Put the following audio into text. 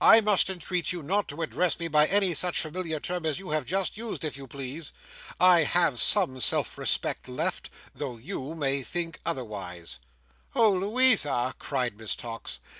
I must entreat you not to address me by any such familiar term as you have just used, if you please. I have some self respect left, though you may think otherwise." "Oh, Louisa!" cried Miss Tox.